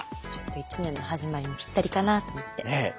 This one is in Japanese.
ちょっと一年の始まりにぴったりかなと思って。